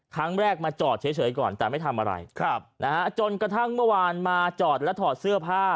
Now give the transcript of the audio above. ครั้งแรกมาจอดเฉยก่อนแต่ไม่ทำอะไรครับนะฮะจนกระทั่งเมื่อวานมาจอดและถอดเสื้อผ้า